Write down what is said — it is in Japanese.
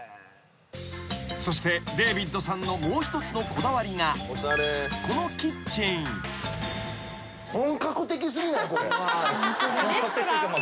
［そしてデービッドさんのもう一つのこだわりがこのキッチン］本格的というか業務用のもの。